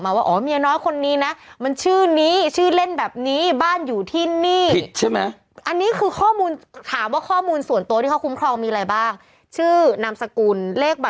แล้วเราไม่ได้จะถ่ายเพื่อที่จะแบบ